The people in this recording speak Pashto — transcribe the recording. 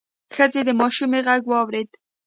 ښځې د ماشومې غږ واورېد: